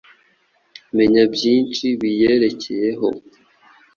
Menya byinshi biyerekeyeho